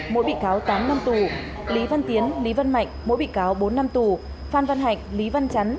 mỗi bị cáo tám năm tù lý văn tiến lý vân mạnh mỗi bị cáo bốn năm tù phan văn hạnh lý văn chấn